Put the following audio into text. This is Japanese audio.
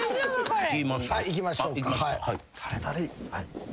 いきましょうか。